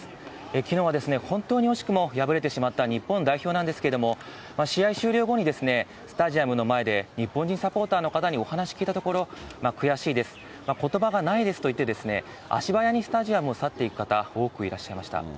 きのうは本当に惜しくも敗れてしまった日本代表なんですけれども、試合終了後に、スタジアムの前で日本人サポーターの方にお話聞いたところ、悔しいです、ことばがないですと言って、足早にスタジアムを去っていく方、多くいらっしゃいました。